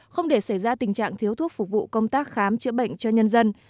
không để xảy ra tình trạng thiếu thuốc phục vụ công tác khám chữa bệnh cho nhân dân